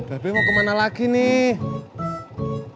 tapi mau kemana lagi nih